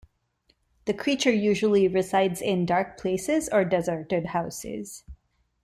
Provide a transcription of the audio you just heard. The creature usually resides in dark places or deserted houses.